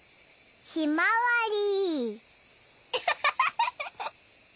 ひまわり。